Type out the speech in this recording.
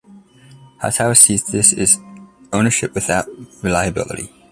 Hightower sees this as ownership without reliability.